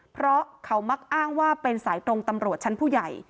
เพราะเขามักอ้างว่าเป็นสายตรงตำรวจชั้นผู้ใหญ่